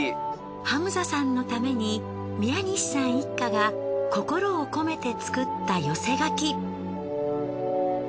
ハムザさんのために宮西さん一家が心を込めて作った寄せ書き。